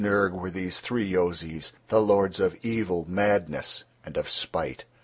Ya, Ha, and Snyrg were these three Yozis, the lords of evil, madness, and of spite.